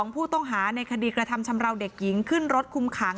ผู้ต้องหาในคดีกระทำชำราวเด็กหญิงขึ้นรถคุมขัง